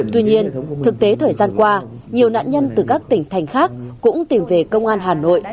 tuy nhiên thực tế thời gian qua nhiều nạn nhân từ các tỉnh thành khác cũng tìm về công an hà nội